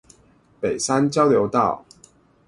北山交流道